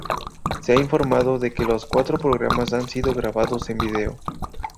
Se ha informado de que los cuatro programas han sido grabados en vídeo.